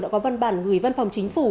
đã có văn bản gửi văn phòng chính phủ